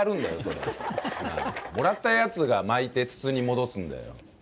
なぁ、もらったやつが巻いて筒に戻すんだよ。